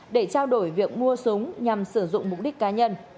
để trao đổi việc mua súng nhằm sử dụng mục đích cá nhân